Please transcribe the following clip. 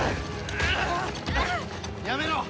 やめろ！